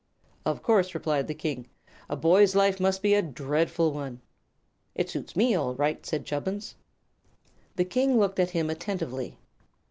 "Of course," replied the King. "A boy's life must be a dreadful one." "It suits me, all right," said Chubbins. The King looked at him attentively.